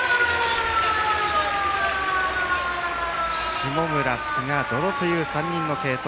下村、寿賀、百々という３人の継投。